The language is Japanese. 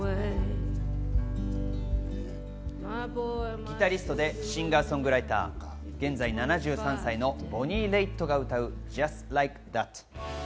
ギタリストでシンガー・ソングライター、現在７３歳のボニー・レイットが歌う『ＪｕｓｔＬｉｋｅＴｈａｔ』。